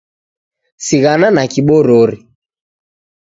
Sighana na kiborori